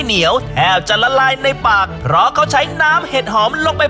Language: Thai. เหนียวแทบจะละลายในปากเพราะเขาใช้น้ำเห็ดหอมลงไป